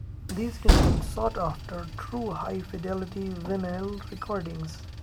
These remain sought-after true high fidelity vinyl recordings.